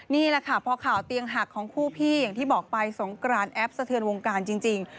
นี่แหละค่ะพอข่าวเตียงหักของคู่พี่อย่างที่บอกไปสงกรานแอปสะเทือนวงการจริง